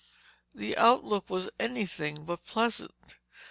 The outlook was anything but pleasant.